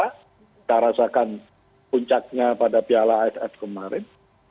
kita rasakan puncaknya pada piala aff kemarin